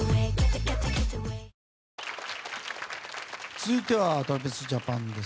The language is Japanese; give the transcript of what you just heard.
続いてはＴｒａｖｉｓＪａｐａｎです。